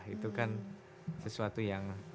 itu kan sesuatu yang